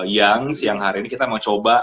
yang siang hari ini kita mau coba